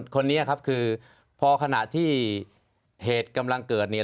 คนนี้ครับคือพอขณะที่เหตุกำลังเกิดเนี่ย